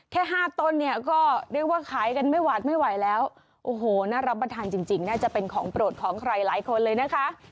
แค่๕ต้นเนี่ยก็เรียกว่าขายกันไม่หวาดไม่ไหวแล้วโอ้โหน่ารับประทานจริงน่าจะเป็นของโปรดของใครหลายคนเลยนะคะ